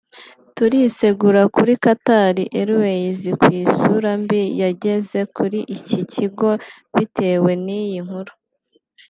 turisegura kuri Qatar Airways ku isura mbi yageze kuri iki kigo bitewe n’iyi nkuru